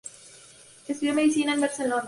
Estudió Medicina en Barcelona.